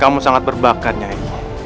kamu sangat berbakatnya emy